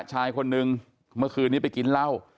ชายคนนึงเมื่อคืนนี้ไปกินเหล้า